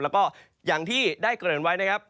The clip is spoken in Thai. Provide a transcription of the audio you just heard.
แล้วก็อย่างที่ได้เกริ่นไว้นะครับ